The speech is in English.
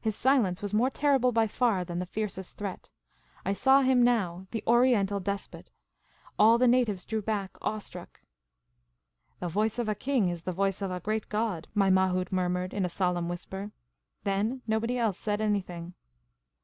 His silence was more terrible by far than the fiercest threat. I saw him now the Oriental despot. All the natives drew back, awe struck. " The voice of a king is the voice of a great god," my mahout murmured, in a solenui whisper. Then nobody else said anything.